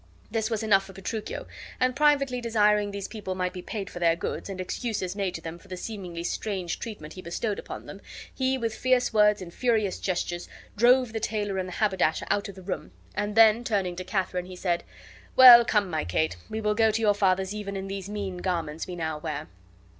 This was enough for Petruchio, and privately desiring these people might be paid for their goods, and excuses made to them for the seemingly strange treatment he bestowed upon them, he with fierce words and furious gestures drove the tailor and the haberdasher out of the room; and then, turning to Katharine, he said: "Well, come, my Kate, we will go to your father's even in these mean garments we now wear."